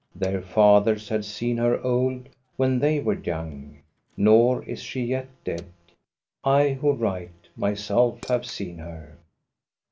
Their fathers had seen her old when they were young. Nor is she yet dead. I who write, myself have seen her.